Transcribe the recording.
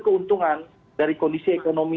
keuntungan dari kondisi ekonomi